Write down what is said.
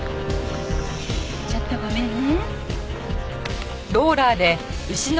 ちょっとごめんね。